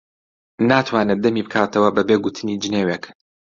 ناتوانێت دەمی بکاتەوە بەبێ گوتنی جنێوێک.